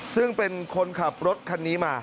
ซึ่งเป็นคนขับรถคันนี้มา